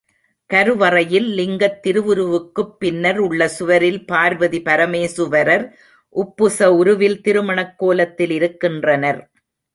கருவறையில் லிங்கத் திருவுருவுக்குப் பின்னர் உள்ள சுவரில் பார்வதி பரமேசுவரர் உப்புச உருவில் திருமணக் கோலத்தில் இருக்கின்றனர்.